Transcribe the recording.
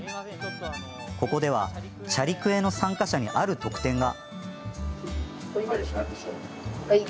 ここでは、チャリクエの参加者にある特典が。